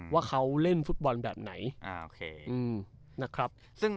ว่าเขาเล่นฟุตบอลแบบไหน